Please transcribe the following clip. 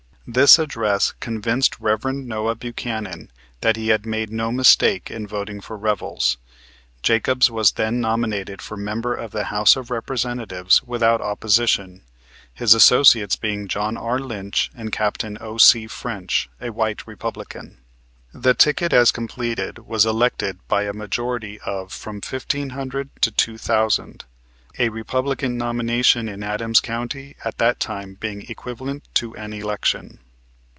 This address convinced Rev. Noah Buchanan that he had made no mistake in voting for Revels. Jacobs was then nominated for member of the House of Representatives without opposition, his associates being John R. Lynch and Capt. O.C. French, a white Republican. The ticket as completed was elected by a majority of from fifteen hundred to two thousand, a Republican nomination in Adams County at that time being equivalent to an election.